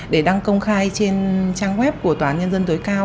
để đăng công khai trên trang web của tòa án nhân dân tối cao